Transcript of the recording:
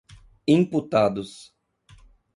imputados